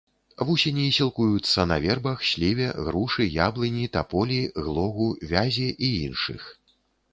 Вусені сілкуюцца на вербах, сліве, грушы, яблыні, таполі, глогу, вязе і іншых.